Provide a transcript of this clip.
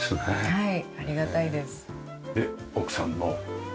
はい。